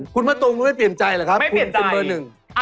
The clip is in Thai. คุณพระตูงไม่เปลี่ยนใจเหรอครับคุณสินเบอร์หนึ่งไม่เปลี่ยนใจ